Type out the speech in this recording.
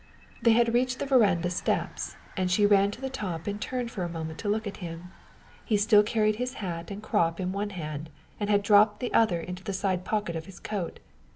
They had reached the veranda steps, and she ran to the top and turned for a moment to look at him. He still carried his hat and crop in one hand, and had dropped the other into the side pocket of his coat.